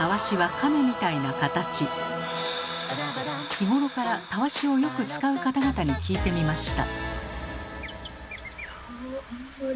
日頃からたわしをよく使う方々に聞いてみました。